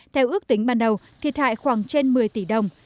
theo ước tính ban đầu thiệt hại khoảng trên một mươi tỷ đồng